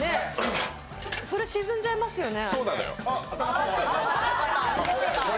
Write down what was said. それ沈んじゃいますよね。